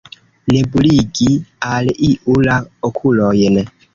Nebuligi al iu la okulojn.